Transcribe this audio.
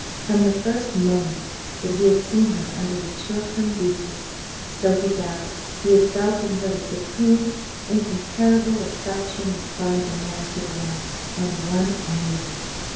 From the first moment that he had seen her under the Chiltern beeches, so he vowed, he had felt in her the supreme, incomparable attraction which binds a man to one woman, and one only.